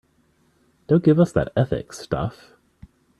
Don't give us that ethics stuff.